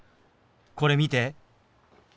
これ見て。